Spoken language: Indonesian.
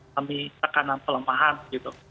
kami tekanan pelemahan gitu